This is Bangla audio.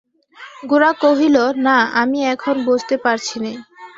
গোরা কহিল, না, আমি এখন বসতে পারছি নে।